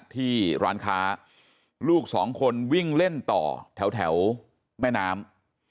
ที่ร้านค้าลูกสองคนวิ่งเล่นต่อแถวแม่น้ำ